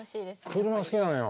車好きなのよ。